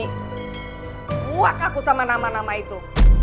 buak aku sama nama nama itu